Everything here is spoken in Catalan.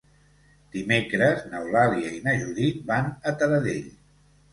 Dimecres n'Eulàlia i na Judit van a Taradell.